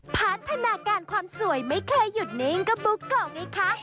พัฒนาการความสวยไม่เคยหยุดนิ่งก็บุ๊กโกะไงคะ